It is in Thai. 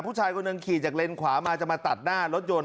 ผู้ชายคนหนึ่งขี่จากเลนขวามาจะมาตัดหน้ารถยนต์